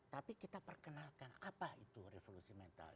tapi kita perkenalkan apa itu revolusi mental